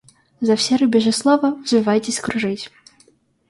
За все рубежи слова — взвивайтесь кружить.